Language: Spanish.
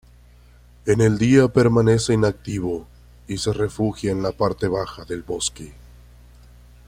En el día permanece inactivo y se refugia en la parte baja del bosque.